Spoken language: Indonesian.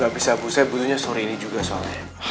gak bisa bu saya butuhnya sehari ini juga soalnya